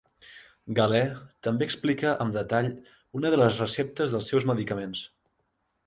Galè també explica amb detall una de les receptes dels seus medicaments.